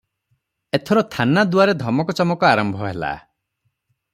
ଏଥର ଥାନା ଦୁଆରେ ଧମକ ଚମକ ଆରମ୍ଭ ହେଲା ।